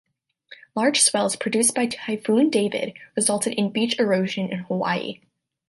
Large swells produced by Typhoon David resulted in beach erosion in Hawaii.